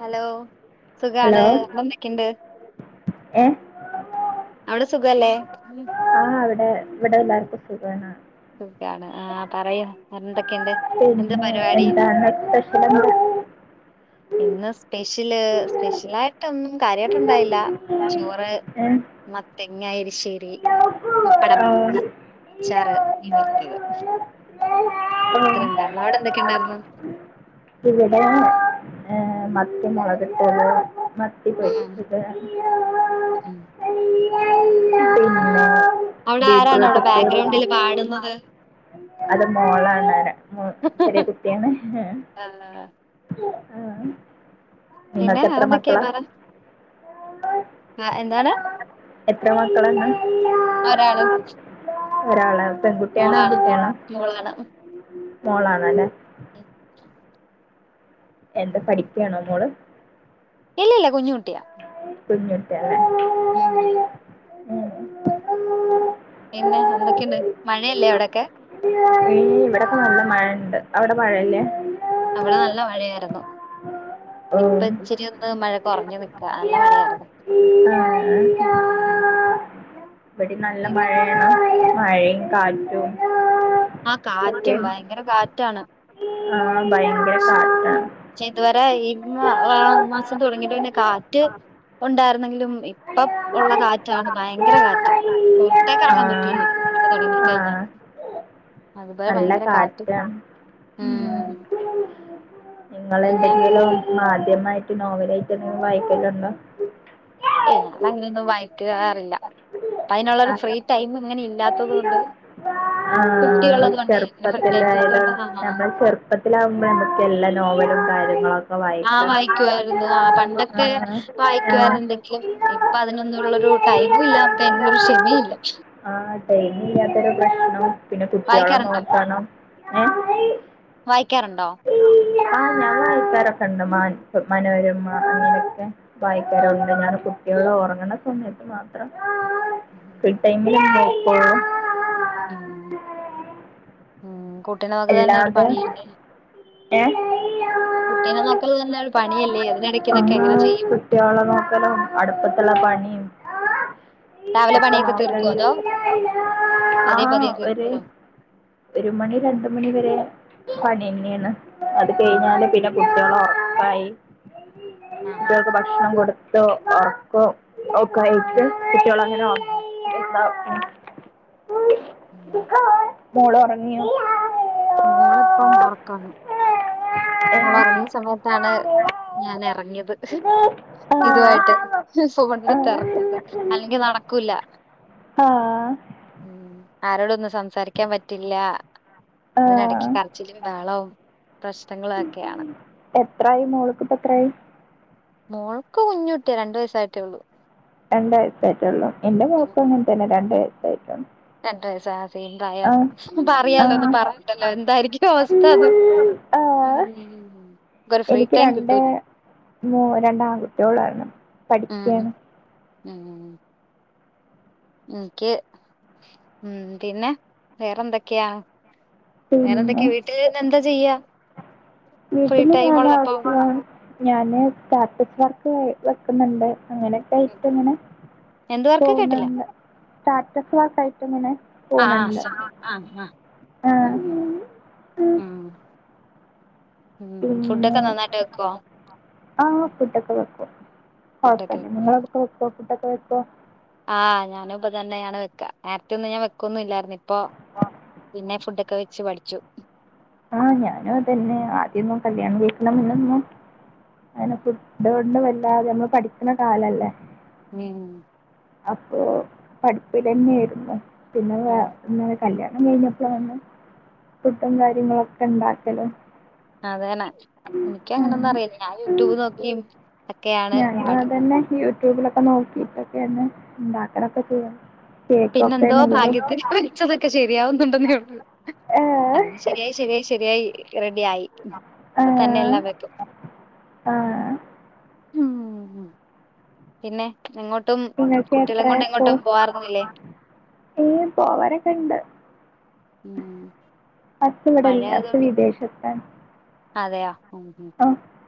Hello hello സുഖാണ് എന്തൊക്കെണ്ട്. ആഹ അവിടെ ഇവിടെ എല്ലാർക്കും സുഖാണ് സുഖാണ് ആ പറയൂ എന്തൊക്കെയുണ്ട് എന്താ പിന്നെ പരിപാടി എന്താണ് സ്പെഷ്യലെന്ത് [inaudible] ഇന്ന് സ്‌പെഷ്യ സ്പെഷ്യല് സ്പെഷ്യലായിട്ടൊന്നും കാര്യമായിട്ടുണ്ടായില്ല ചോറ് എന്താ ഏ മത്തങ്ങാ ശ്ശേരി പുപ്പടം അച്ചാറ് മീൻ വറത്തത് [inaudible] ഉണ്ടായിരുന്നു ഇവിടെ ഏയ് മത്തി മുളകിട്ടത് മത്തി ഉം പൊരിച്ചത് ഉം പിന്നെ അവിടെ ആരാണ് ബീറ്റ്റൂട്ട് അവിടെ ഉപ്പേരി ബാക്ക്ഗ്രൗണ്ടില് പാടുന്നത് അത് മോളാണ് ചെറിയ കുട്ടിയാണ് ആ അം പിന്നെ വേറെന്തൊക്കെയാ പറ അഹ് എന്താണ് എത്ര മക്കളണ് ഒരാള് ഒരാളാ പെൺകുട്ടിയാണോ മോളാണ് ആൺകുട്ടിയാണോ മോളാണ് മോളാണല്ലേ എന്താ പഠിക്കയാണോ മോള് ഇല്ല ഇല്ല കുഞ്ഞു കുട്ടിയാ കുഞ്ഞുകുട്ടി ലെ ഉം [unintelligible] പിന്നെ എന്തൊക്കെയൊണ്ട് മഴയല്ലേ അവിടെക്കെ [unintelligible] ഇവിടെക്കെ നല്ല മഴ ഇണ്ട് അവിടെ മഴയില്ലേ അവള് നല്ല മഴയാരുന്നു ഓ ഇപ്പച്ചിരി ഒന്ന് മഴ കൊറഞ്ഞു നിക്കാ അല്ല മഴയാരുന്നു [unintelligible] ഇവിടേം നല്ല മഴയാണ് മഴയും കാറ്റും ആഹ് ഒക്കെ കാറ്റും ഭയങ്കര കാറ്റാണ് ആഹ് ഭയങ്കര കാറ്റാണ്. ഏഹ് ഈ മാ ആറ് മാസം തുടങ്ങിട്ട് പിന്നെ കാറ്റ് ആഹ് ഒണ്ടാര്ന്നെങ്കിലും ഇപ്പം ഒള്ള ആഹ് കാറ്റാണ് ഭയങ്കര കാറ്റ്. പൊർത്തേക്ക് അറങ്ങാൻ പറ്റെയ്ന്ന് അത് തൊടങ്ങി കഴിഞ്ഞാൽ ആഹ് നല്ല കാറ്റ് കാറ്റാണ്. ഉം നിങ്ങെൾ പിന്നെ എന്തെങ്കിലും മാധ്യമായിറ്റ് നോവലായിറ്റ് എന്തെങ്കിലും വായിക്കെൽ ഇണ്ടോ? ഏയ് ഞാൻ അങ്ങനെയൊന്നും [inaudible] [inaudible] വായ് ഫ്രീ ടൈം ഇങ്ങനെ ഇല്ലാത്തത് കൊണ്ട് ആഹ് കുട്ടികളത് കൊണ്ടേ അങ്ങനെ ഫ്രീ ടൈം ചെറ്പ്പത്തിലായ് ഇല്ലാത്തോണ്ട് [unintelligible] ആ ഞമ്മെൾ ചെറുപ്പത്തിലാവുമ്പം ഞമ്മെക്ക് എല്ലാ നോവെലും കാര്യങ്ങളൊക്കെ ആഹ് വായിക്കാം വായിക്കുവായിരുന്നു ആഹ് പണ്ടൊക്കെ വായിക്കുവാര്ന്ന് ഇണ്ടെങ്കിലും ആഹ് ഇപ്പ അതിനൊ ന്നുള്ളൊരു ടൈമും ഇല്ല നമ്മ്ക്ക് അയിനുള്ളൊരു ക്ഷമെ ഇല്ല ടൈമ് ഇല്ല്യാത്തൊരു പ്രശ്ണും പിന്നെ കുട്ട്യോളെ നോക്കണം. ഏഹ് വായിക്കാറ് ഇണ്ടോ? ആഹ് ഞാ വായിക്കാറൊക്കെ ഇണ്ട് [unintelligible] മനോരമ അങ്ങനെ ഒക്കെ ആ വായിക്കാറുണ്ട് ഞാൻ കുട്ടിയാൾ ഒറങ്ങ്ണ സമയെത്ത് മാത്രം ഉം കിട്ടെങ്കിലും നോക്കോള്ളു ഉം ഉം കുട്ടീനെ നോക്കെലെന്നെ ഒര് അല്ലാതെ പണി ഇണ്ട് ഏഹ് തന്നെ ഒരു പണിയല്ലേ അതിനിടയ്ക്ക് ഇതൊക്കെ ആഹ് എങ്ങനെ ചെയ്യും കുട്ടിയാളെ നോക്കലോ അട്പ്പെത്ത് ഇള്ള പണിം രാവിലെ ഒക്കെ പണിയൊക്കെ തീർക്കുവോ നോക്കെണ്ടെ അതോ പതിയെ ആഹ് പതിയെ ഇവെര് തീർക്കുവോ ഒര് മണി രണ്ട് മണി വെരെ പണിയെന്നെ ആണ് അത് കെഴിഞ്ഞാൽ ഉം പിന്ന കുട്ടിയാളെ ഒറക്കായി ആ ആ കുട്ടിയാക്ക് ഭക്ഷണം കൊട്ത്തോ ഒർക്കും ഓക്കയിറ്റ് ഉം കുട്ടികൾ അങ്ങനെ ഉം ഉം [unintelligible] ഉം മോള് ഒറങ്ങിയോ മോളിപ്പം ഒറക്കാണ് മോള് ഉറങ്ങുന്ന സമയത്താണ് ഞാൻ എറങ്ങിയത് ആ ഇതു ആയിട്ട് [unintelligible] അല്ലെങ്കി നടക്കൂല്ല ആ ഉം ആരോടൊന്നും സംസാരിക്കാൻ പറ്റില്ലാ ആ അതിനെടക്ക് കരച്ചിലും ബെഹളവും പ്രശ്നങ്ങളോക്കെയാണ് എത്രായി മോൾക്കിപ്പ എത്രായി മോൾക്ക് കുഞ്ഞൂട്ടിയ രണ്ടു വയസായിട്ടേ ഉള്ളൂ രണ്ട് വയസ് ആയിട്ടുള്ളൂ എന്റെ മോൾക്കും തന്നെ രണ്ടു വയസ്സ് ആയിട്ടുള്ളൂ രണ്ട്് വയസ്സ ണ്ടായ ആ പറയാാലോ ഒന്ന് പറഞ്ഞട്ടല്ലോ എന്തായിരിക്കും അവസ്ഥന്ന് ആ ഒരു ഫ്രീ എനിക്ക് ടൈം രണ്ട് കിട്ടൂല്ല മൂ രണ്ട ആൺകുട്ടികോളൾ ആയിരുന്നു ഉം പഠിക്കയാണ് [unintelligible] എനിക്ക് ഉം പിന്നെ വേറെന്തൊക്കെയാണ് വേറെ പിന്നെ എന്തൊക്കെയാ വീട്ടി എന്താ ചെയ്യാ? ഫ്രീ വീട്ടില് ടൈം ഉള്ളപ്പോ ഞാന സ്റ്റാറ്റസ് വർക്ക് വെക്കുന്നുണ്ട് വെക്കുന്നുണ്ട് അങ്ങനെയൊക്കെ ആയിട്ട് ഇങ്ങനെ എന്ത് വർക്ക് കേട്ടില്ല പോകുന്നു സ്റ്റാറ്റസ് വക്കായിട്ട് ഇങ്ങനെ ആ പോകുന്നുണ്ട് ശരി ആ ആ ഉം ഫുഡൊക്കെ നന്നായിട്ട് വെക്കുവോ ആഹ ഫുഡ് ഒക്കെ വെക്കും ഫുഡൊക്കെ കുഴപ്പമില്ല നിങ്ങളൊക്കെ വെക്കോ ഫുൊക്കെ വെക്കോ ആഹ് ഞാനും ഇപ്പ തന്നെയാണ് വെക്ക നേരത്തെ ഒന്നും ഞാൻ വെക്കൊന്നും ഇല്ലായിുന്ന ഇപ്പൊ പിന്നെ ഫുഡൊക്കെ വെച്ച് പഠിച്ചു ആഹ ഞാനും അതന്നെ ആദ്യൊന്നും കല്യാണം കേഴിക്കണം മുന്നൊന്നും ആന ഫുഡ് ഉണ്ട് വല്ലാതെ നമ്മള് പഠിക്കുന്ന കാലല്ലേ ഉം അപ്പൊ പഠിപ്പിലന്നെയായിരുന്നു ആഹ് പിന്നെന്നെ കല്യാണം കഴിഞ്ഞപ്പോൾ ആണ് ഫുഡും കാര്യമൊക്കെ കാര്യങ്ങളൊക്കെ ഉണ്ടാക്കല്ലോ അതേനെ എനിക്ക അങ്ങനെൊന്നും അറിയില്ല ഞാൻ യൂട്യൂബ് നോക്കി ഞാന അതന്നെ യൂട്യൂബിലൊക്കെ നോക്കിട്ടൊക്കെ തന്നെ ഇണ്ടാക്കാനൊക്കെ ചെയ്യണം പിന്നെന്തോ ഭാഗ്യത്തി വച്ചതൊക്കെ ശെരിയാവുന്നുണ്ടെന്നേള്ളൂ ഏഹ് അത് ശരിയായി ശരിയായി ശരിയായി റെഡി ആയി അ തന്നെ ആഹ് എല്ലാം വെക്കും ആഹ് ഉം പിന്നെ എങ്ങോട്ടും നിങ്ങൾക്ക് കുട്ടികളെ കൊണ്ട് എങ്ങോട്ടും പോവാറന്നില്ലേ ഏ പോവരൊക്കെ ഇണ്ട് ഉം അസ് മഴ ഇവിടല്ലേ അസ് ആയതുകൊണ്ട് ഇപ്പം വിദേശത്ത [inaudible]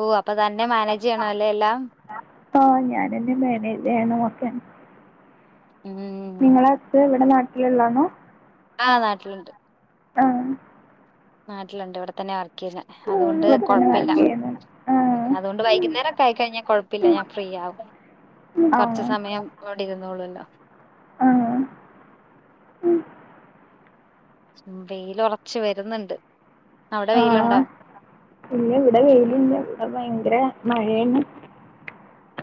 ഓ അപ്പൊ തന്നെ മാനേജ് ചെയ്യണം അല്ലേ എല്ലാം [unintelligible] ഉം നിങ്ങള ഹസ്സ് എവിടെ നാട്ടിലള്ളാണോ ആ് നാട്ടിലുണ്ട് ആഹ നാട്ടിലുണ്ട് ഇവിടെ തന്നെ വർക്ക് ചെയ്യുന്ന അതുകൊണ്ട് ഇവിടെ തന്നെ കൊഴപ്പില്ല വർക്ക് ചെയ്യുന്നത് അതുകൊണ്ട് വൈകുന്നേരൊക്കെ ആയി കഴിഞ്ഞാൽ കുഴപ്പില്ല ഞാൻ ഫ്രീ ആകും ആ കുറച്ചു ആ സമയം ഓടിന്നള്ളൂല്ലോ ആ വെയില ഉളച്ച് വരുന്നുണ്ട് അവിടെ ആഹ് വെയിലുണ്ടോ ഇല്ല ഇവിടെ വെയിലില്ല ഭയങ്കര മഴയാണ്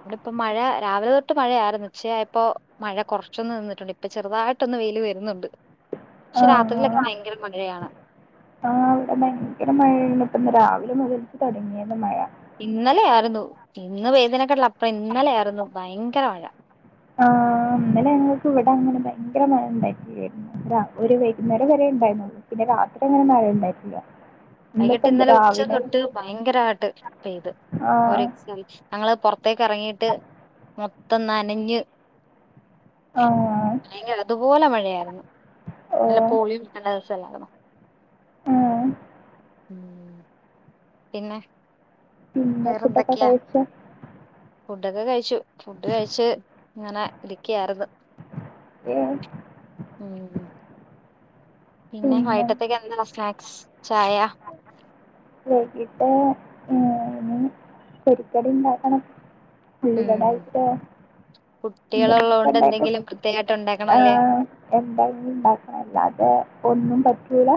ഇ ഇപ്പ മഴ രാവിലെ തൊട്ട് മഴയായിരുന്നു ഉച്ചയായപ്പോ മഴ കുറച്ചൊന്ന് നിന്നിട്ടുണ്ട് ഇപ്പൊ ചെറുതായിട്ട് വെയില് വരുന്നുണ്ട് ആ പക്ഷെ രാത്രിയിലൊക്കെ ഭയങ്കര മഴയാണ് ആഹ അവിടെ ഭയങ്കര മഴയ ഇപ്പ രാവിലെ മുതൽ തുടങ്ങിയന്ന് മഴ ഇന്നലെയ ആായിരുന്നു ഇന്ന് വേദനക്കെട്ടള്ള അപ്പുറം ഇന്നലെയ ആായിരുന്നു ഭയങ്കര മഴ ആ അന്നലെ ഞങ്ങൾക്ക് ഇവിടെ അങ്ങനെ ഭയങ്കര മഴ ഉണ്ടട്ടരുന്നു വൈകുന്നേരം വരെ ഉണ്ടായി പിന്നെ രാത്രി അങ്ങനെ മഴ ഉണ്ടായിില്ല വൈകിട്ട് ഇന്നലെ ഉച്ച തൊട്ട് ഭയങ്കരമായിട്ട് പെയ്ത് ഒരു ആ എക്സ ഞങ്ങള്ൾ പുൊറത്തേക്ക് ഇറങ്ങീട്ട് മൊത്തം നനഞ്ഞ് ആഹ്. അല്ലങ്കി അതുപോലെ മഴയായിരുന്നു ഇന്നല ഓഹ്. പോളിയോ കൊടുക്കണ്ട ദിവസം അല്ലാരുന്നോ ആഹ് പിന്നെ പിന്നെ ഫുഡ് ഒക്കെ വേറെന്തൊക്കെയാ കഴിച്ച ഫുഡൊക്കെ കഴിച്ചു ഫുഡ് കഴിച്ച് ഇങ്ങനെ ഇരിക്കിയായിരുന്നു ഏ ഉം പിന്നെ വൈകട്ടത്തേക്ക് എന്താ സ്നാക്സ് ചായ വൈകിട്ട് ഇനി പൊരിക്കടി ഉണ്ടാക്കണം ഉള്ളി വടായിട്ട് കുട്ടികള് ഉള്ളത് കൊണ്ട് എന്തെങ്കിലും പ്രത്യേകായിട്ട് ആഹ് എന്തായും ഇണ്ടാക്കണംല്ലാതെ ഒന്നും പറ്റൂല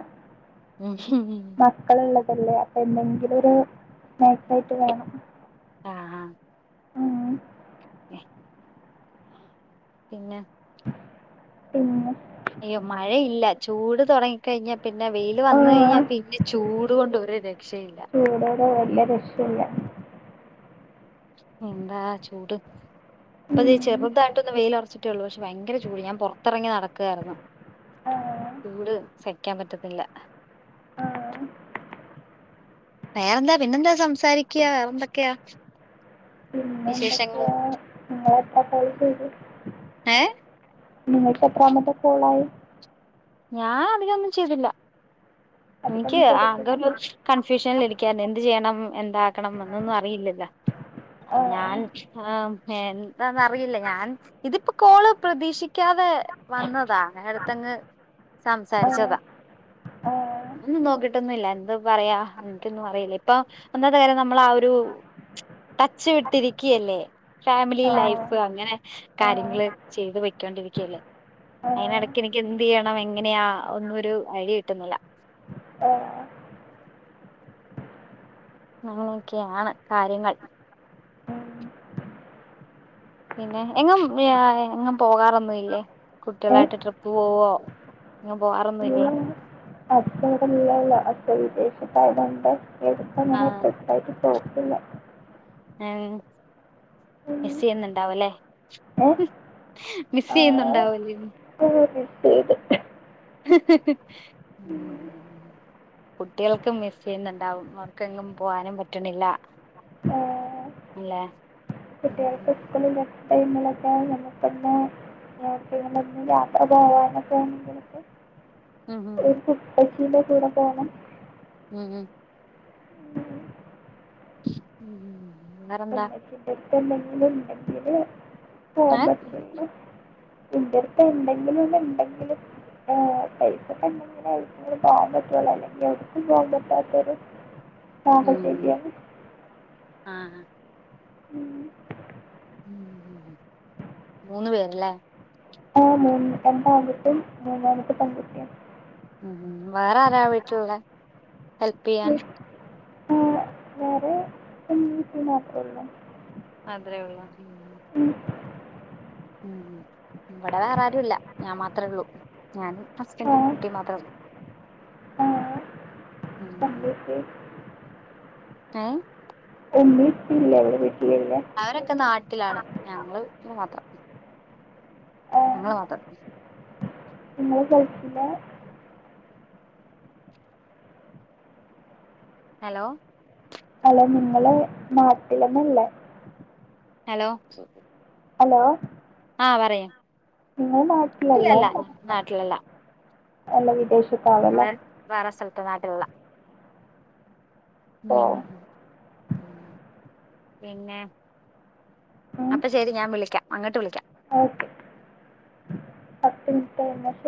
മക്കള് ഉള്ളതല്ലേ അപ്പൊ എന്തെങ്കിലും ഒര് സ്നാക്സായിട്ട് വേണം ആഹ് ആഹ് ആഹ് പിന്നെ പിന്ന അയ്യോ മഴയില്ല ചൂട് തുടങ്ങിക്കഴിഞ്ഞാ പിന്നെ വെയില് വന്ന് ആഹ് കഴിഞ്ഞാൽ പിന്നെ ചൂട് കൊണ്ട് ഒരു രക്ഷയില്ല നല്ല രക്ഷയില്ല എന്താ ചൂട് അപ്പത് ഉം ചെറുതായിട്ടൊന്ന് വെയിയിലൊറച്ച് ട്ടുള്ളൂ പക്ഷെ ഭയങ്കര ചൂട് ഞാൻ പുറത്തിറങ്ങി നടക്കുവായിരുന്നു ആഹ് ചൂട് സഹിക്കാൻ പറ്റത്തില്ല ആഹ് വേറെന്താ പിന്നെന്താ സംസാരിക്കയാ വേറെന്തൊക്കെയാ പിന്നെ വിശേഷങ്ങൾ എന്തൊക്കെയാ നിങ്ങ ഏഹ് [unintelligible] നിക്കത്രമത്തെ പോളായി ഞാൻ അതിനൊന്നും ചെയ്തില്ല അധികം എനിക്ക് ആ ചെയ്തിട്ടില്ല ഒരു കൺഫ്യൂഷനല് ഇരിക്കരുന്നു എന്ത് ചെയ്യണം എന്താ ക്കണംനൊന്നും അറിയില്ലല്ല ഞാൻ ആഹ് ഇതാന്ന് അറിയില്ല ഞാൻ ഇതിപ്പോ കോള് പ്രതീക്ഷിക്കാതെ വന്നതാണ് അടുത്തങ്ങ് ആഹ് സംസാരിച്ചതാ ആഹ് ഒന്ന് നോക്കിട്ടൊന്ന് ല്ല എന്ത് പറയാ എനിക്കൊന്നും അറിയില്ല ഇപ്പൊ ഒന്നാത്തെ കാര്യം നമ്മൾ ആ ഒരു ട്ടച്ചു വിട്ടിരിക്കല്ലേ ഫാമിലി ആഹ് ലൈഫ് അങ്ങനെ കാര്യങ്ങള് ചെയ്ത് വയ്ക്കോണ്ടിരിക്കല്ലേ അയിനിടക്ക് എനിക്ക് എ ണം എങ്ങനെയാ ഒന്നും ഒരു ഐഡിയ കിട്ടുന്നില്ല അങ്ങനെയൊക്കെയാണ് കാര്യങ്ങൾ ആഹ് പിന്നെ എങ്ങും എങ്ങും പോകാറൊന്നും ഇല്ലേ ഏഹ് കുട്ടികളായിട്ട് ട്രിപ്പ് പോവുവോ എങ്ങും പോവാറൊന്നുല്ലേ [unintelligible] അച്ചൻ വിദേശത്തായതോണ്ട് ആ [unintelligible] ല്ല ഉം മിസ്സ്‌ ചെയ്യൂന്നണ്ടാവും ഇല്ലേ ഏഹ് മിസ് ആഹ് ചെയ്യുന്നുണ്ടാവല്ലേ [unintelligible] [inaudible] കുട്ടികൾക്കും മിസ് ചെയ്യുന്നുണ്ടാവും അവർക്കെങ്ങും പോവാനും പറ്റണില്ല ആ അല്ലേ ഉം കുട്ടികൾക്ക് ഉം സ്കൂളില്ല [unintelligible] [unintelligible] യാത്രപോവാനൊക്കെയായിട്ട് ഉം ഉം [inaudible] ഉം ഓന്ക് ഇപ്പച്ചീന്റെ കൂടെ പോണം ഉം ഉം ഉം വേറെന്താ [inaudible] പ്പന്തെങ്കിലും ണ്ടെങ്കില് ഏ പോവുമ്പത്തിനും ഇന്റെടുത്ത് ഇണ്ടെങ്കിലും എന്ടെങ്കിലും ആ പൈസോക്കേണ്ടെങ്കിലേ പോകാൻ പറ്റുവൊള്ളൂ അല്ലെങ്കിൽ എവടക്കും പോകാൻ പറ്റാത്തൊരു ഉം [unintelligible] ആഹ് ഉം മൂന്ന് പേരല്ലേ ആ മൂന്ന് രണ്ടാൻകുട്ടിം മൂന്നാമത്തെ പെൺകുട്ടിം ഉം വേറെ ആരാ വീട്ടിലുള്ളെ ഹെൽപെയ്യാൻ ആ വേറെ ഇമ്മിമ്മ് ഇപ്പിം മാത്രോള്ളു അത്രേയൊള്ളൂ ഉം ഉം ഇവിടെ വേറെ ആരും ഇല്ല ഞാൻ മാത്രെ ഉള്ളൂ ഞാനും ഹസ്ബൻഡും ആഹ് കുട്ടി മാത്രേ ഉള്ളൂ ആഹ് ഉം കണ്ടിട്ട് ഏയ് ഉമ്മ ഇപ്പയില്ലേ വീട്ടില് അവരൊക്കെ നാട്ടിലാണ് ഞങ്ങള് മാത്രം ഞങ്ങള്മാത്രം ഇങ്ങൾ കഴിച്ചില്ലാ ഹലോ ലോ നിങ്ങള് നാട്ടിലന്നല്ലേ ഹലോ ഹലോ ആ പറയ് നാട്ടിലല്ലേ ഇല്ലല്ല നാട്ടിലല്ല അല്ല വിദേശ് വേറെ സ്ഥലത്താ നാട്ടിലല്ലാ ഓ [unintelligible] പിന്നെ അപ്പൊ ശരി ഞാൻ വിളിക്കാം അങ്ങട്ട് വിളിക്കാം ഓക്കെ [unintelligible]